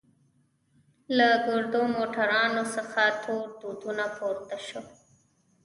له ګردو موټرانو څخه تور دودونه پورته وو.